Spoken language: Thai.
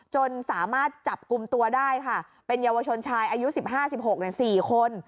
จนสามารถจับกลุ่มตัวได้ค่ะเป็นเยาวชนชายอายุ๑๕๑๖๔คน